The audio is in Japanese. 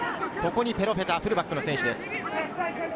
ここにペロフェタ、フルバックの選手です。